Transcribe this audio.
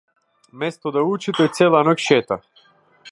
Место да учи тој цела ноќ шета.